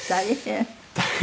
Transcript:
大変。